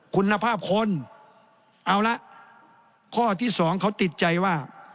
คุณภาพคนเอาละข้อที่สองเขาติดใจว่า